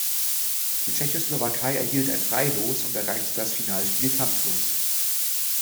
Die Tschechoslowakei erhielt ein Freilos und erreichte das Finalspiel kampflos.